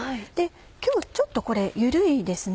今日ちょっとこれ緩いですね。